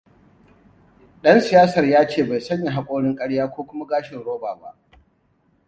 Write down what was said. Ɗan siyasar ya ce bai sanya haƙorin ƙarya ko kuma gashin roba ba.